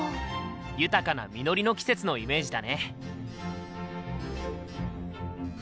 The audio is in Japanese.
「豊かな実りの季節」のイメージだね。